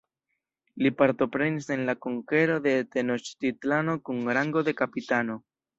Li partoprenis en la konkero de Tenoĉtitlano kun rango de kapitano.